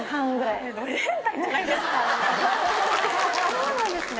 そうなんですね。